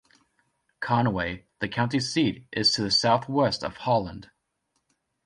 Conway, the county seat, is to the southwest of Holland.